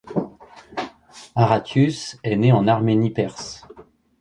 Aratius est né en Arménie perse.